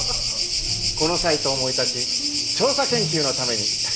この際と思い立ち調査研究のために。